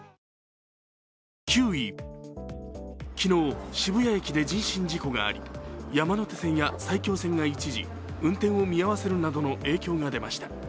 ９位、昨日、渋谷駅で人身事故があり山手線や埼京線が一時、運転を見合わせるなどの影響が出ました。